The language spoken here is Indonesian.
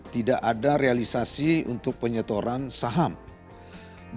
tidak ada realisasi untuk penyetoran saham yang berhasil diatur ke ktu